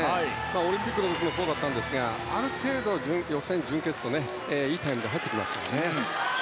オリンピックでもそうだったんですがある程度、予選、準決といいタイムで入ってきますから。